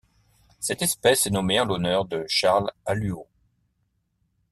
Cette espèce est nommée en l'honneur de Charles Alluaud.